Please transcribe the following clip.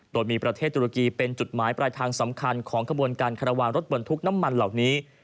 โดยมีประเทศตุรกีเป็นจุดหมายปลายทางสำคัญของขบวนการคารวาลรถบรรทุกน้ำมันเหล่านี้